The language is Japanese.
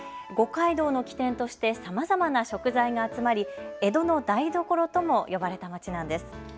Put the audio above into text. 五街道の起点としてさまざまな食材が集まり江戸の台所とも呼ばれた街なんです。